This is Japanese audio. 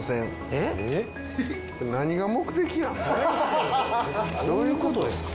えっ？どういう事ですか？